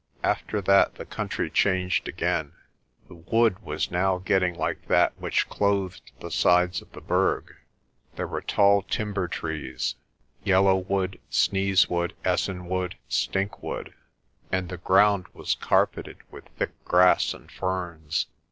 After that the country changed again. The wood was now getting like that which clothed the sides of the Berg. There were tall timber trees yellowwood, sneezewood, es senwood, stinkwood and the ground was carpeted with 174 PRESTER JOHN thick grass and ferns.